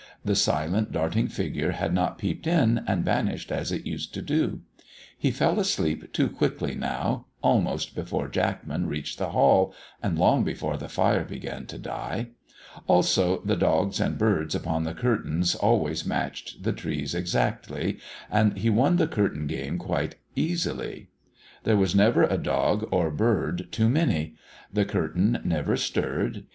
The silent, darting figure had not peeped in and vanished as it used to do. He fell asleep too quickly now, almost before Jackman reached the hall, and long before the fire began to die. Also, the dogs and birds upon the curtains always matched the trees exactly, and he won the curtain game quite easily; there was never a dog or bird too many; the curtain never stirred.